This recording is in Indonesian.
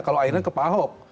kalau akhirnya ke pak ahok